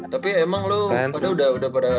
tapi emang lo udah pada